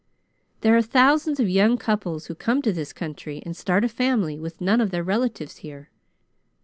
There are thousands of young couples who come to this country and start a family with none of their relatives here.